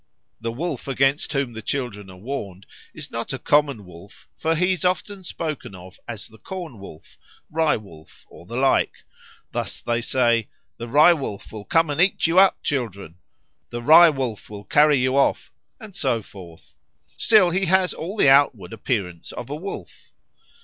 The wolf against whom the children are warned is not a common wolf, for he is often spoken of as the Corn wolf, Rye wolf, or the like; thus they say, "The Rye wolf will come and eat you up, children," "the Rye wolf will carry you off," and so forth. Still he has all the outward appearance of a wolf.